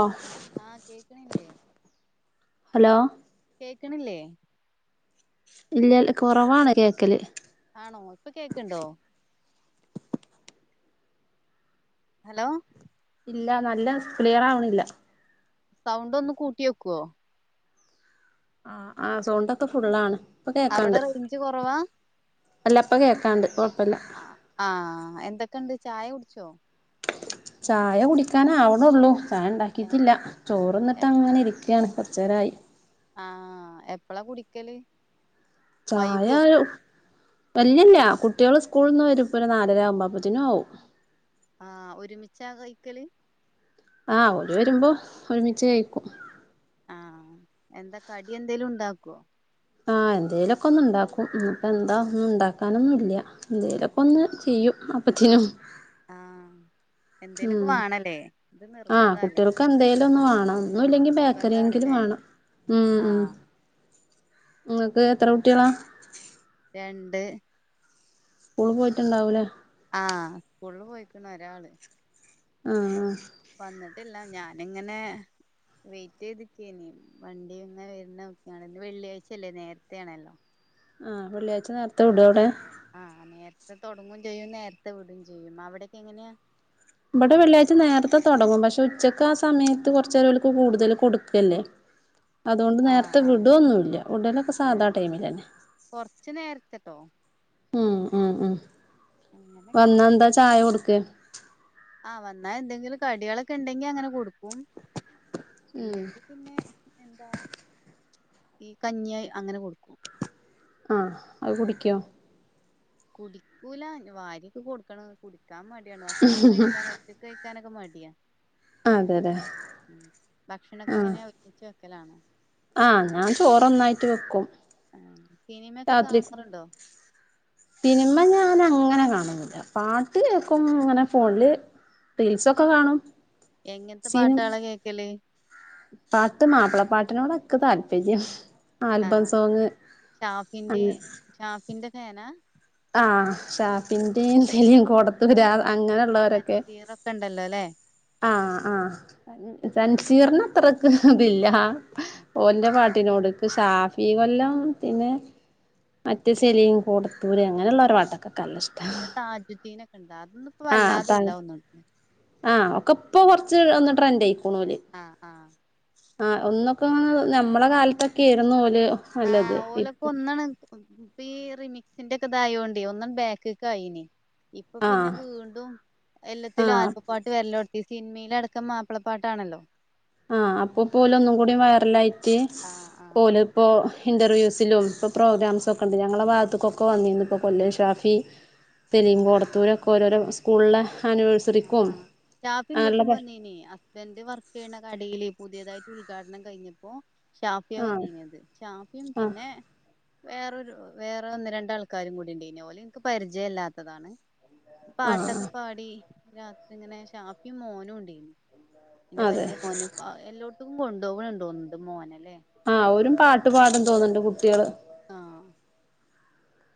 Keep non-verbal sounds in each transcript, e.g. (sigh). ആഹ് ആഹ് കേക്കണില്ലേ? ഹലോ കേക്കണില്ലേ? ഇല്ലൽ കൊറവാണ് കേക്കല്. ആണോ ഇപ്പൊ കേക്ക്ണ്ട? ഹലോ ഇല്ല നല്ല ക്ലിയറാവണില്ല. സൗണ്ട് ഒന്ന് കൂട്ടിയോക്കോ? ആഹ് ആഹ് സൗണ്ടൊക്കെ ഫുള്ളാണ്. ഇപ്പൊ അവ്ടെ കേക്കാണ്ട് റെയിഞ്ച് കൊറവാ അല്ല ഇപ്പം കേക്കാണ്ട് ഓഹ് ആഹ് ആഹ് എന്തെക്കണ്ട് ചായ കുട്ച്ചോ ചായ കുടിക്കാനാവ്ണോള്ളൂ ചായ ഏഹ് ഇണ്ടാക്കിട്ടില്ല ചോറ്ന്ന്ട്ടങ്ങനെ ഇരിക്കാണ് കൊറ്ച്ചേരായി ആഹ് എപ്പളാ കുടിക്കല് വൈകുവോ ചായായു വല്ല്യെല്ല കുട്ടിയള് സ്കൂള്ന്ന് വരുപ്പരെ നാലരയാവുമ്പം അപ്പത്ത്നും ആവും ആഹ് ഒരുമിച്ചാ കഴിക്കല് ആഹ് ഓല് വരുമ്പോ ഒരുമിച്ച് കയിക്കും ആഹ് എന്താ കടി എന്തേലുണ്ടാക്കോ ആഹ് എന്തേലൊക്കൊന്ന് ഇണ്ടാക്കും ഉം ഇപ്പന്താ ഒന്നും ഇണ്ടാക്കാനൊന്നുല്ല എന്തേലൊക്കൊന്ന് ചെയ്യും അപ്പത്തിനും ആഹ് എന്തേലൊക്കെ ഉം വേണല്ലേ ഇത് ആ നിർബന്ധാല്ലേ കുട്ടിയൾക്ക് എന്തേലും ഒന്നും വാണം ഒന്നുംല്ലെങ്കി ബേക്കറിയെങ്കിലും നിർബന്ധാണ്ല്ലേ വേണം ഉം ഉം ആഹ് ങ്ങൾക്ക് എത്ര കുട്ടികള രണ്ട് സ്കൂള് പോയിട്ടുണ്ടാവൂലേ ആ സ്കൂളില് പോയിക്ക്ണ് ഒരാള് ആ ആ വന്നിട്ടില്ല ഞാനിങ്ങനെ വെയിറ്റ് ചെയ്തിക്കെനി വണ്ടി ഇങ്ങനെ വര്നെ നോക്കാണ് ന്ന് വെള്ളിയാഴ്ചല്ലേ നേരതെയാണ് ആ വെള്ളിയാഴ്ച നേരത്തെ വിടോ അവിടെ ആ നേരത്തെ തൊടങ്ങും ചെയ്യും നേരത്തെ വിടും ചെയ്യും അവിടെ ഞ്ഞ്ങ്ങനെയാ ഇബടെ വെള്ളിയാഴ്ച നേരത്തെ തൊടങ്ങും പക്ഷെ ഉച്ചക്ക് ആ സമയത്ത് കുറച്ചെരവർക്ക് കൂടുതൽ കൊടുക്കല്ലേ അതൊണ്ട് ആഹ് നേരത്തെ ആഹ് വിടൊന്നുംല്ല വിടലൊക്കെ സാധാ ആഹ് ടൈമിലെന്നെ കൊറച്ച് (unintelligible) ഉം ഉം ഉം അങ്ങനൊക്കെ വന്നാന്താ ചായ കൊടുക്കെ ആ വന്നാൽ ന്തെങ്കിലും കടികളൊക്കെണ്ടെങ്കി അങ്ങനെ കൊടുക്കും ഇല്ലെങ്കിൽ പിന്നെ ന്താ ഈ കഞ്ഞിയായി അങ്ങനെ കൊടുക്കും ആ അത് കുടിക്കോ കുടിക്കൂല ഞ് വാരിയൊക്കെ കൊടുക്കണൊന്ന് കുടി വക്കാൻ മടിയാണ് ഭക്ഷണൊക്കെ കഴിക്കൻ ഒറ്റക്ക (unintelligible) ക്കെ മടിയാണ് അതെ അതെ മ് ഭക്ഷണൊക്കെങ്ങനെയാ ഓര്മിച്ച ക്കലാണ് ആ ഞാൻ ചോറൊന്നായിട്ട് വെക്കും ആ സിനിമൊക്കെ രാത്രിക്ക് കാണാറുണ്ടോ സിനിമ ഞാന് അങ്ങനെ കാണൂല പാട്ട് കേക്കും ഇങ്ങനെ ഫോണില് റീൽസൊക്കെ കാണും എങ്ങൻത്തെ സിനി പാട്ടാളാ കേക്കല് പാട്ട് മാപ്പിളപ്പാട്ടിനോടാ ന്ക് താല്പര്യം ആ ആൽബം സോങ് ഷാഫിന്റെ അങ്ങ ഷാഫിന്റെ ങ്ങനാ ആ ഷാഫിന്റേം സലീം കോടത്തൂരാ സലീം കൊടത്തൂർ പിന്നെ അങ്ങനെയുള്ളവരൊക്കെ സീറൊക്കെണ്ടല്ലോ ല്ലേ ആ ആ തൻസീറിനെ ത്രക്ക് ഇതില്ല ആ, ഓന്റെ പാട്ട (unintelligible) ഷാഫി കൊല്ലം പിന്നെ മറ്റ് സലീം കൊടുത്ത് പൂര് അങ്ങനെള്ളൊരു പാട്ടാ ന്ക്കല്ലഷ്ടാ ന്താ (inaudible) വല്ലാതണ്ടാകും ആ ഒക്കെ ഇപ്പൊ കുറച്ച് ഒന്ന് ട്രെൻഡ ആയി ആഹ് ആഹ് ആഹ് ഒന്നൊക്കെ നമ്മളെ കാലത്തൊക്കെ (inaudible) ആഹ് (inaudible) ഓലൊക്കെ ഇപ്പൊ ഒന്നാണ് ഇപ്പ ഈ റിമിക്സിന്റൊക്കെ ഇതായൊണ്ടേ ഒന്ന് ബാക്കിലേക്ക് ആയിന് ഇപ്പൊ പിന്നെ ആഹ് വീണ്ടും എല്ലാത്തിലും ആഹ് ആൽബപ്പാട്ട് (inaudible) സിനിമ എല്ലാടുത്തും മാപ്പിളപ്പാട്ടാണല്ലോ ആഹ് അപ്പൊപോലെ ഒന്നും കൂടി വൈറലായിട്ട് ആഹ് ആഹ് ഓല് ഇപ്പോ ഇൻറർവ്യൂസിലും ഇപ്പോൾ ഇന്റർവ്യുസിലും ഇപ്പൊ പ്രോഗ്രാംസൊക്കെ ഉണ്ട് ഞങ്ങളുടെ ഭാഗത്തുക്കൊ വന്നിരുന്നു ഇപ്പോൾ കൊല്ലം ഷാഫി ആ (inaudible) കോടത്തൂരും ഒക്കോരോരോ സ്കൂൾലെ ആഹ് ആഹ് സ്റ്റാഫ് ഇങ്ങോട്ടും പ വന്നിനി ഹസ്ബൻഡ് വർക്ക് ചെയ്യണ കടയില് പുതിയതായിട്ട് ഉദ്ഘാടനം കഴിഞ്ഞപ്പോ ഷാഫിയ ആഹ് വന്നീനിത് ഷാഫിയും ആഹ് പിന്നെ വേറൊരു വേറെ ഒന്ന് രണ്ടാൾക്കാരും കൂടി ഉണ്ടീന് ഒലെ എനിക്ക് പരിചയംമില്ലാത്തതാണ് ആഹ് പാട്ടൊക്കെ പാടി രാത്രി ഇങ്ങനെ ഷാഫിയും മോനും ഉണ്ടീനു എന്റെ അതെ വലിയ മോന് (inaudible) മോനെ ആഹ് ഓരും പാട്ടു പാടും തോന്നുന്നുണ്ട് കുട്ടികൾ ആഹ്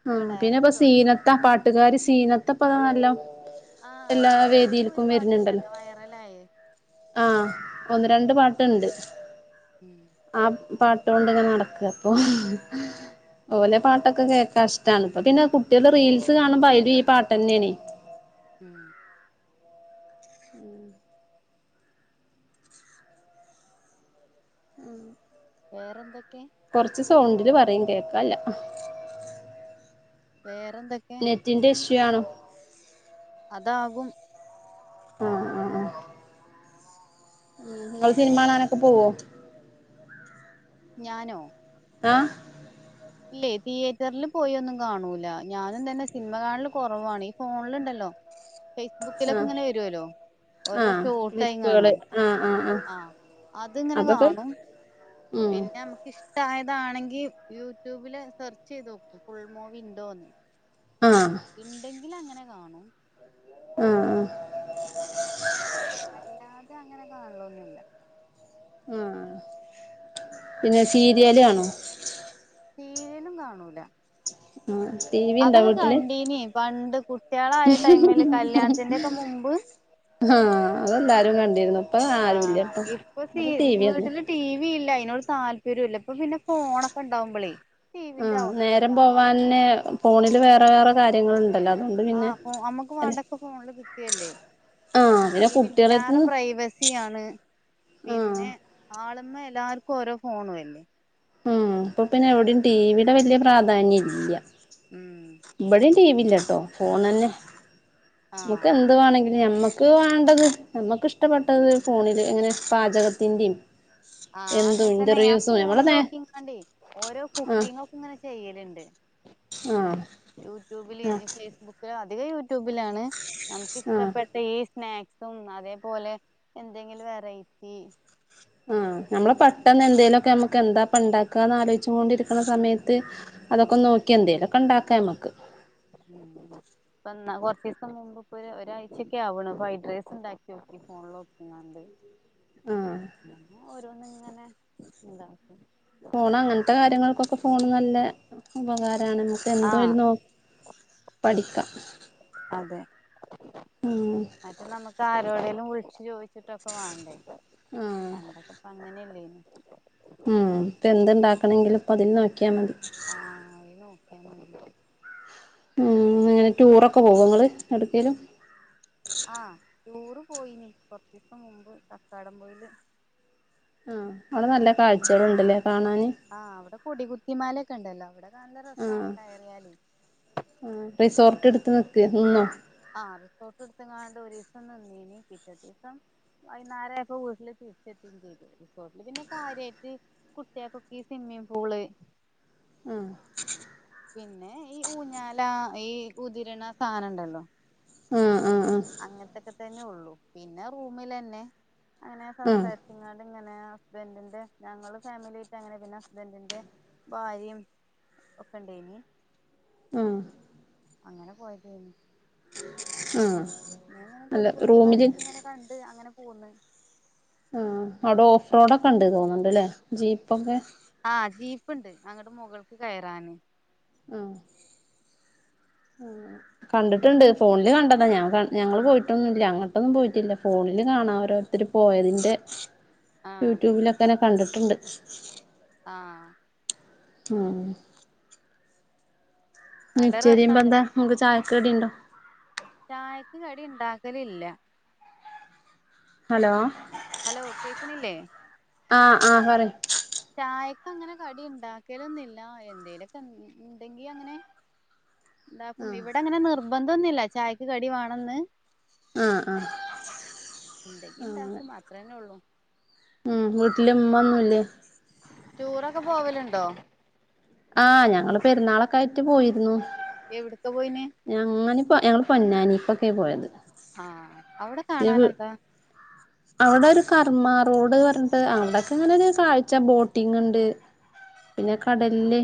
എന്തോ ആഹ് പിന്നെ ഇപ്പ ഡയറക്ടറോ സീനത്ത ആ പ്രൊഡ്യൂസറോ പാട്ടുകാരി സീനത്ത (inaudible) ആഹ് എല്ലാ അയിന്റതും വേദിലെക്കും ഒരു വരുന്നുണ്ടല്ലോ പാട്ടുണ്ടല്ലോ വൈറലായേ ആഹ് ഒന്ന് രണ്ട് പാട്ട ഒണ്ട് ഉം ആ പാട്ട് (inaudible) നടക്ക അപ്പൊ ഓലെ പാട്ടൊക്കെ കേക്ക കഷ്ടണ് ഇപ്പത്തന്നെ ആ കുട്ടികളെ റീൽസ് കാണുമ്പ അയിലും ഈ പാട്ട് തന്നെയണ് ഉം ഉം വേറെന്തൊക്കെ കൊറച്ച് സൗണ്ടില് പറയു കേക്കണില്ല വേ വേറെന്തൊക്ക (inaudible) അതാകും ഉം ഉം ഉം ങ്ങള് സിനിമ കാണാനൊക്കെ പോവോ ഞാനോ ആഹ് ഇല്ലേ തിയേറ്ററില് പോയൊന്നും കാണൂല ഞാനും തന്നെ സിനിമ കാണല് കുറവാണെ ഈ ഫോണിലുണ്ടല്ലോ ആ ഫേസ്ബുക്കിലൊക്കെ ഇങ്ങനെ വരോലോ ആ ഓരോ ഷോർട് ക്ലിപ്പുകള് ആയിങാണ്ട് ആ ആ അത്ങ്ങനെ അതൊക്കെ കാണും ഉം പിന്നെ നമുക്ക് ഇഷ്ടായത് അതാണെങ്കിൽ യൂട്യൂബില് സെർച്ച് ചെയ്ത് നോക്കും ഫുൾ മൂവിണ്ടോന്ന് ആ ഇണ്ടെങ്കിൽ അങ്ങനെ കാണും ആ ആ അല്ലാതെ അങ്ങനെ കാണൊന്നില്ല ആ പിന്നെ സീരിയൽ കാണോ സീരിയേലും കാണൂല ആ ടി വി ഉണ്ടാ അതൊക്കെ വീട്ടില് കണ്ടീനി പണ്ട് കുട്ടികളായ ടൈമില് കല്യാണത്തിന്റെ ഒക്കെ മുമ്പ് ആഹ അതെല്ലാരും കണ്ടിരുന്നു ഇപ്പൊ ആ ആരുല്ല ഇപ്പൊ ഇവിടെ ടി വി ഒന്നും വീട്ടില് ടി വി ഇല്ല അതിനൊട് താല്പര്യം ഇല്ല ഇപ്പൊ പിന്നെ ഫോണൊക്കെ ഉണ്ടാകുമ്പോളേ ആ നേരം പോവാന് ഫോണില് വേറെ വേറെ കാര്യങ്ങൾ ഉണ്ടല്ലോ ആ അപ്പൊ നമ്മുക്ക് വേണ്ടൊക്കെ ഫോണില് കിട്ടില്ലേ ആഹ് ടി പിന്നെ വി ലേറെ കുട്ടികളെടുത്ത്ന്ന് പ്രൈവസ ആണ് ആഹ് പിന്നെ ആള് അമ്മ എല്ലാർക്കും ഓരോ ഫോണും അല്ലേ ഉം അപ്പൊ പിന്നെ എവിടയും ടിവീടെ വല്യ പ്രാധാന്യം ഇല്ല ഉം ബ്ടെ ടീവില്ലട്ടോ ഫോൺന്നെ നമുക്ക് ആഹ് എന്ത്‌ വേണെങ്കിലും ഞമ്മക്ക് വേണ്ടത് നമ്മക്ക് ഇഷ്ടപ്പെട്ടത് ഫോണില് എങ്ങനെ പാചകത്തിന്റേം ആഹ് അങ്ങനെ തന്നെ ഞാൻ ഫോണിൽ നേ നോക്കിങ്ങാണ്ടെ ഓരോ ആഹ് കുക്കിംഗ് ഒക്കെ ഇങ്ങനെ ചെയ്യലിണ്ട് ആഹ് അ യൂട്യൂബിൽ ആഹ് ഫേസബുക്കിൽ (unintelligible) യൂട്യൂബിലാണ് ആഹ് നമുക്കിഷ്ടപ്പെട്ട സ്നാക്സും അതേപോലെ എന്തെങ്കിലും വെറൈറ്റി ആഹ് നമ്മള പെട്ടെന്ന് എന്തേങ്കിലൊക്കെ നമ്മുക്ക് എന്താ ഇപ്പണ്ടാക്കാന്ന് ആലോയിച്ച് ണ്ടിരിക്കുന്ന സമയത്ത് അതൊക്കെ ആഹ് നോക്കി എന്തേലൊക്കെ ഇണ്ടാക്കാ നമ്മക്ക് (inaudible) ഉം ഇപ്പന്നാ കൊറ്ച്ചീസം മുമ്പ് ഇപ്പൊര് ഒരാഴ്ച്ചൊക്കെ ആവണ് ഫ്രൈഡ് റൈസ് ഇണ്ടാക്കിയോക്കി ഫോണ്ല് നോക്കിക്കാണ്ട് ആഹ് ഞാന് ഒര് റ്റോന്ന് ഇങ്ങനെ എന്താണ് ഫോണ് അങ്ങൻത്തെ കാര്യങ്ങള്ക്കൊക്കെ ഫോണ് നല്ല ഉപകാരാണ് മ്മക്ക് എന്ത് ആഹ് വേണലു നോ പടിക്കാ അതെ മറ്റത് നമ്മക്കാര് എവിടേലും വിളിച്ച് ചോയ്ക്ക- (unintelligible) വാണ്ടേ ആഹ് പണ്ടൊക്കെ ഇപ്പം അങ്ങനെ അല്ലെന്നു ഉം എപ്പൊ എന്തുണ്ടാക്കണെങ്കിലും ഇപ്പൊ പതി - ക്കിയാമതി ആഹ് അത് നോക്കിയാ മതി (unintelligible) ടൂറൊക്കെ പോകോ നിങ്ങള് എവിടേക്കേലും ആ ടൂറ് പോയിനി കൊറച്ചീസം മുമ്പ് കക്കാടംപൊയില് ആ അവിടെ നല്ല കാഴ്ചകള്ണ്ട് ഇല്ലിയോ ആ അവിടെ കൊടികുത്തിമലൊക്കെണ്ടല്ലോ ആ റിസോർട്ട് എട്- നിർത്തിയോ നിന്നോ (unintelligible) ആ റിസോർട്ട് എട്ത്ക്കാണ്ട് ഒരീസം നിന്നീനി പിറ്റേ ദിവസം വൈന്നാരം ആയപ്പോ വീട്ടില് തിരിച്ചെത്തി ചെയ്തു റിസോർട്ടില് പിന്നെ കാര്യായിട്ട് കുട്ട്യേക്കൊക്കെ ഈ സ്വിമ്മിങ് പൂള് ആഹ് (inaudible) പിന്നെ ഈ ഊഞ്ഞാലാ ഈ ഉതരണ സാനണ്ടല്ലോ ആഹ് ആഹ് ആഹ് അങ്ങൻത്തെക്കെ തെന്നെ ഒള്ളു പിന്നെ റൂമിലെന്നെ അങ്ങനെ ആഹ് സംസാര്ച്ച്ങ്ങാണ്ട് ഇങ്ങനെ ഹസ്ബൻഡിന്റെ ഞങ്ങള് ഫാമില്യറ്റങ്ങനെ ഹസ്ബൻഡിന്റെ ഞങ്ങള് ഫാമിലി ആയിട്ട് അങ്ങനെ പിന്നെ ഹസ്ബൻഡിന്റെ ഭാര്യം ഒക്കെണ്ടേയ് നി ഉം അങ്ങനെ പോയതേനി ഉം ഞാൻ ഇങ്ങനെ കൊടി കുത്തി മലക്കെ ഇങ്ങനെ കണ്ട് അങ്ങനെ പോന്ന് ആഹ് അവിടെ ഓഫ് റോഡൊക്കെ ഉണ്ട് തോന്നുണ്ട്ല്ലേ ജീപ്പൊക്കെ ആഹ് ജീപ്പ്ണ്ട് അങ്ങട്ട് മുകൾക്ക് കയറാന് ആഹ് ആഹ് കണ്ടിട്ടുണ്ട്. ഫോണില് കണ്ടതാ ഞാൻ ഞങ്ങൾ പോയിട്ടൊന്നുംല്ല. അങ്ങട്ടൊന്നും പോയിട്ടില്ല ഫോണില് കാണാ, ഓരോരുത്തര് പോയതിന്റെ. ആഹ് യൂട്യൂബ് ലൊക്കെ ങ്ങനെ കണ്ടിട്ടുണ്ട് ആഹ് ഉം നല്ല മിചിരി രസാണ് പി കടിണ്ടോ ചായക്ക് കടി ഇണ്ടാക്കലില്ല ഹലോ ഹലോ കേക്ക് ണില്ലേ ആഹ് ആഹ് പറയ് ചായ അങ്ങനെ കടി ഇണ്ടാക്കലൊന്നില്ല എന്തേലൊക്കെ ഇണ്ടെങ്കി അങ്ങനെ എന്തും ആഹ് ഇവിടെ അങ്ങനെ നിർബന്ധം അതൊന്നി ഇല്ല ചായക്ക് കടി വാണംന്ന് അഹ് ആഹ് ഇണ്ടെങ്കി ഉണ്ടാക്കും അത്രെന്നെ ള്ളൂ ഉമ്മൊന്നൂല്ലേ ടൂറൊക്കെ പോവല് ഇണ്ടോ ആഹ് ഞങ്ങള് പെരുന്നാളൊക്കെ ആയിട്ട് പോയിരുന്നു എവിടക്ക പോയിന് ഞങ്ങങ്ങന്പ്പോ ഞങ്ങള് പൊന്നാനി ഇപ്പോക്കെ പോയത് ആഹ് അവിടെ കാണാൻ എന്താ അവടെ ഒരു കർമ്മ റോഡ് പറഞ്ഞിട്ട് അവടെക്കെ അങ്ങനെ ഒരു കാഴ്ച ബോട്ടിങ് ഇണ്ട് പിന്നെ കടലില്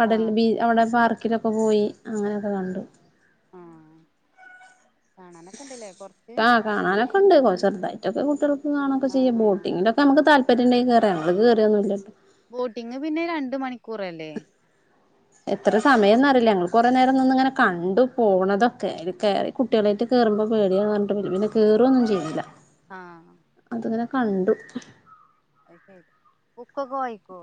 കടൽ ആഹ് ബി അവടെ പാർ ക്കിലൊക്കെ പോയി അങ്ങനെയൊക്കെ ആഹ് കണ്ടു ആഹ് കാണാനൊക്കെ ഇണ്ടല്ലേ കൊറച്ച് ആ കാണാനൊക്കെ ഒണ്ട് കൊറച്ച് ചെറുതായിട്ടൊക്കെ കുട്ടികൾ ക്ക് കാണൊക്കെ ആഹ് ചെയ്യാ ആഹ് ബോട്ടിങ്ങിലൊക്കെ നമ്മക്ക് താൽ പര്യണ്ടെ കേറ ഞങ്ങള് കേറിയൊന്നുല്ലട്ടോ ബോട്ടിംഗ് പിന്നെ രണ്ട് മണിക്കൂറല്ലേ എത്ര സമയംന്ന് അറിയില്ല ഞങ്ങള് കൊറെ നേരം നിന്ന് ഇങ്ങനെ കണ്ടു പോണതൊക്കെ കേറി കുട്ടികളായിട്ട് കേറുമ്പോ പേടിയാന്ന് പറഞ്ഞിട്ട് പിന്നെ കേറുവൊന്നും ചെയ്തില്ല. ആഹ് അതിങ്ങനെ കണ്ടു ബുക്കൊക്കെ വായിക്കോ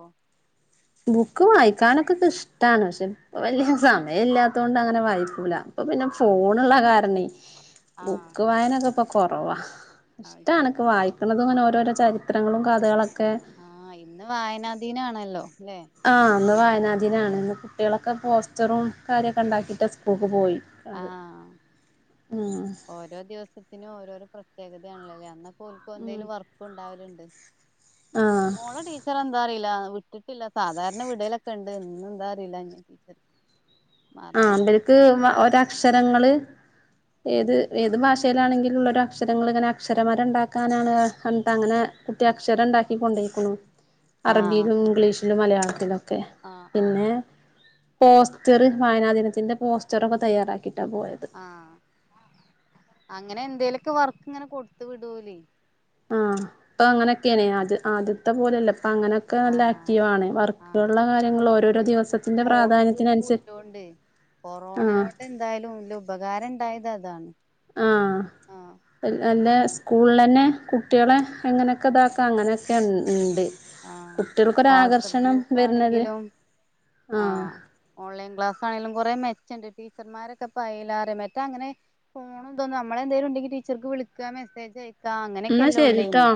ബുക്ക് വായിക്കാനൊക്കെക്കെ ഇഷ്ടാണ് പക്ഷേ ഇപ്പ വല്യ സമയം ഇല്ലാത്തൊണ്ട് അങ്ങനെ വായിക്കൂല ഇപ്പോ പിന്നെ ആഹ് ഫോൺള്ള കാര ക്കന്നെയ് അത് ബുക്ക് വായനൊക്കെ ഇപ്പം - കൊറവാ ഇഷ്ട ശരി എണക്ക് വായിക്കണത് ഇപ്പൊ അങ്ങനെ ഓരോരോ ചരിത്രങ്ങളും കഥകളൊക്കെ- ആ ഇന്ന് വായനാദീനാണല്ലോ ഇല്ലേ ആഹ് ഇന്ന് വായനാദീനാണ് ഇന്ന് കുട്ടികളൊക്കെ പോസ്റ്ററും കാര്യോക്കെ ഉണ്ടാക്കിയിട്ട് സ്കൂൾക്ക് പോയി അത് ആഹ് ഉം ഓരോ ദിവസത്തിനും ഓരോരോ- പ്രത്യേകതയാണല്ലോ അല്ലിയോ അന്നൊക്കെ - ഓലിക്ക് ഉം എന്തേലും വർക്കുണ്ടാവലുണ്ട് ആഹ് ഏഹ് മോളെ ടീച്ചർ എന്താ അറിയും ഇല്ല വിട്ടിട്ടില്ല സാധാരണ വിടലൊക്കെ ഇണ്ട് ഇന്ന് എന്താന്നറിയില്ല ആ ഒന്നരക്ക് ഒരാ- അക്ഷരങ്ങള് ഏത് ഉം ഏത് ഭാഷയിലാണെങ്കി- ലുള്ള അക്ഷരങ്ങളിങ്ങനെ അക്ഷരമര ഇണ്ടാക്കാനാണ് (unintelligible) അങ്ങനെ കുട്ടി അക്ഷരം ഇണ്ടാക്കി കൊണ്ടയ്ക്കുണു. ആഹ് അറബിലും ഇംഗ്ലീഷ് ലും മലയാളത്തിലും ക്കെ ആഹ് ആഹ് പിന്നെ പോസ്റ്ററ് വായനാദിനത്തിന്റെ പോസ്റ്ററൊക്കെ തയ്യാറാ ആഹ് അങ്ങനെ എന്തേലൊ ക്ക വർക്കിങ്ങനെ കൊടുത്തു വിടോ ലെ. ആഹ് ഇപ്പൊ അങ്ങനൊക്കേന് ആദ്യ ആദ്യത്തെ പോലല്ല പ്പ അങ്ങനൊക്ക നല്ല ആഹ് ആക്റ്റീവാണ്. ആഹ് വർക്കുകളുടെ കാര്യങ്ങൾ അതെ ഓരോരോ പിന്നെ ദിവസത്തിന്റെ ഫോണ് ഗ്രൂപ്പും പ്രാധാന്യത്തിനനുസര് ഇല്ലോണ്ട് ആഹ് കൊറോണനോട് എന്തായാലും വല്യ ഉപകാരം ഇണ്ടായതതാണ്. ആഹ് (unintelligible) നല്ലെ സ്കൂളിലെന്നെ കുട്ടിയേളെ എങ്ങനെക്ക ഇതാക്കാ അങ്ങനെയൊക്കെ ഇ ഇണ്ട്. ആഹ് വാട്സ്ആപ്പ് ഗ്രൂപ്പ് വരുന്നത് ആണെങ്കിലും ആഹ് ഓൺലൈൻ ക്ലാസ് ആണെലും കൊറെ മെച്ചണ്ട്. ടീച്ചർമാരൊക്കെ ഇപയലാറിം മറ്റെ അങ്ങനെ ഫോണും ഇതൊന്നും നമ്മളെന്തേലും ഉണ്ടെങ്കി ടീച്ചർക്ക് വിളിക്കാ മെസേജ് അയ ക്കാ എന്നാ അങ്ങനെക്കല്ലെ ശരിട്ടോ ഒള്ളേനി.